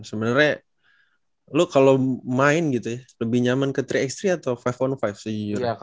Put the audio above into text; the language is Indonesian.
sebenernya lu kalau main gitu ya lebih nyaman ke tiga x tiga atau lima on lima sejujurnya